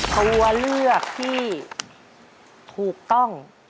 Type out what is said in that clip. ตัวเลือกที่ถูกต้อง